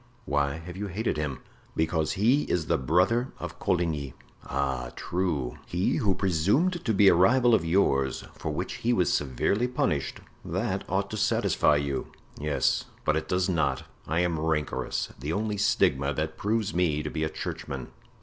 "Why have you hated him?" "Because he is the brother of Coligny." "Ah, true! he who presumed to be a rival of yours, for which he was severely punished; that ought to satisfy you." "'Yes, but it does not; I am rancorous—the only stigma that proves me to be a churchman.